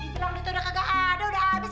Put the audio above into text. dibilang duitnya udah kagak ada udah abis